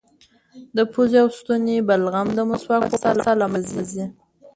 د پوزې او ستوني بلغم د مسواک په واسطه له منځه ځي.